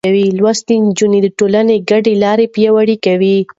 لوستې نجونې د ټولنې ګډې لارې پياوړې کوي.